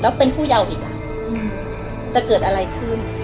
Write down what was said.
แล้วเป็นผู้เยาว์อีกจะเกิดอะไรขึ้น